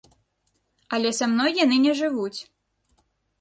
Але са мной яны не жывуць.